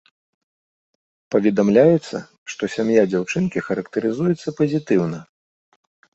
Паведамляецца, што сям'я дзяўчынкі характарызуецца пазітыўна.